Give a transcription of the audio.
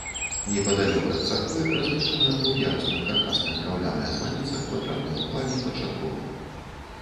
Непадалёк ад царквы размешчана двух'ярусная каркасная драўляная званіца, квадратная ў плане, пад шатром.